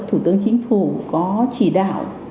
thủ tướng chính phủ có chỉ đạo